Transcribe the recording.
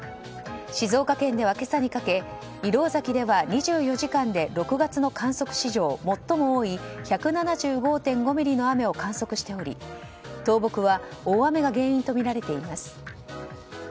静岡県では今朝にかけ石廊崎では２４時間で６月の観測史上最も多い１７５．５ミリの雨を観測しており倒木は大雨が原因とみられています。